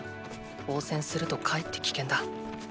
応戦するとかえって危険だ。